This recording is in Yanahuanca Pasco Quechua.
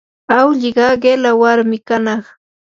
awlliqa qilla warmi kanaq.